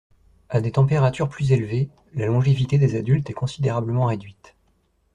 À des températures plus élevées, la longévité des adultes est considérablement réduite.